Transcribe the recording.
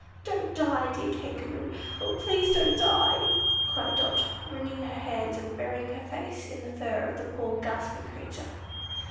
"Don't die, dear Kangaroo! Oh, please don't die!" cried Dot, wringing her hands, and burying her face in the fur of the poor gasping creature.